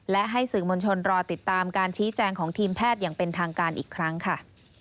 และให้สื่อมวลชนรอติดตามการชี้แจงของทีมแพทย์อย่างเป็นทางการอีกครั้งค่ะ